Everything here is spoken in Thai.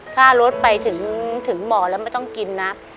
ค่ารถไปถึงบ่อแล้วไม่ต้องกินนะ